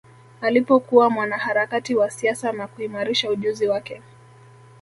Alipokuwa mwanaharakati wa siasa na kuimarisha ujuzi wake